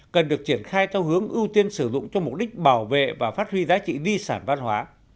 cần được triển khai theo hướng ưu tiên sử dụng cho mục đích bảo vệ và phát huy giá trị di sản văn hóa